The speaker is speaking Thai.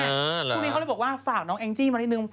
ช่วงนี้เขาเลยบอกว่าฝากน้องแองจี้มานิดนึง